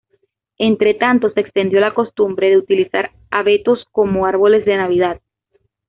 Entretanto, se extendió la costumbre de utilizar abetos como árboles de Navidad.